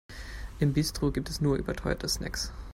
Im Bistro gibt es nur überteuerte Snacks.